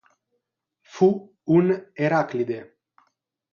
Fu un Eraclide.